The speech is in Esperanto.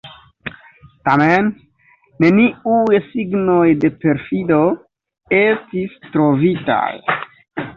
Tamen, neniuj signoj de perfido estis trovitaj.